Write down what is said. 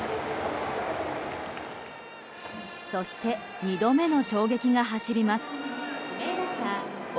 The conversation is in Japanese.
そして２度目の衝撃が走ります。